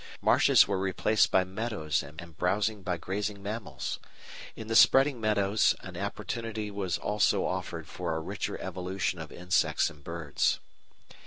Marshes were replaced by meadows and browsing by grazing mammals. In the spreading meadows an opportunity was also offered for a richer evolution of insects and birds.